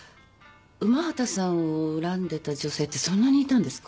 午端さんを恨んでた女性ってそんなにいたんですか？